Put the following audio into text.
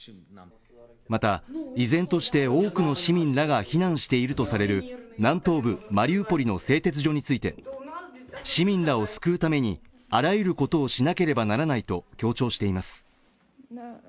また、依然として多くの市民らが避難しているとされる南東部マリウポリの製鉄所について、市民らを救うためにあらゆることをしなければならないと強調しています。